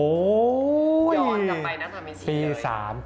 อุเอสทีนี้กี่ปีแล้วคะ